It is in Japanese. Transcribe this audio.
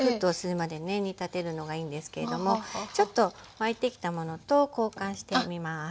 煮立てるのがいいんですけれどもちょっと沸いてきたものと交換してみます。